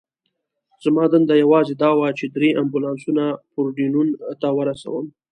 زما دنده یوازې دا وه، چې درې امبولانسونه پورډینون ته ورسوم.